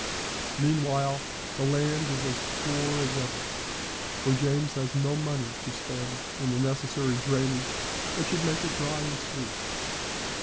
Meanwhile, the land is as poor as ever, for James has no money to spend in the necessary drainage that should make it dry and sweet.